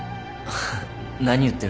何言ってるの？